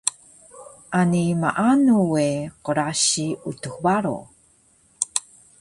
Ani maanu we qrasi Utux Baro